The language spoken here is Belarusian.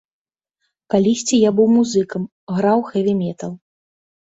Калісьці я быў музыкам, граў хэві-метал.